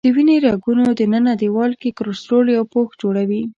د وینې رګونو دننه دیوال کې کلسترول یو پوښ جوړوي.